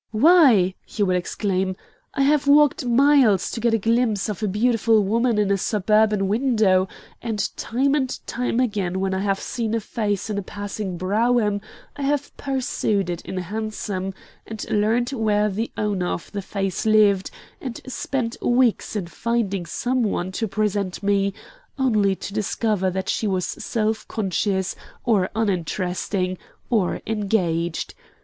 "Why" he would exclaim "I have walked miles to get a glimpse of a beautiful woman in a suburban window, and time and time again when I have seen a face in a passing brougham I have pursued it in a hansom, and learned where the owner of the face lived, and spent weeks in finding some one to present me, only to discover that she was self conscious or uninteresting or engaged.